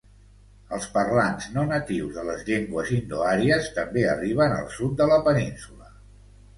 Els parlants no natius de les llengües indoàries també arriben al sud de la península.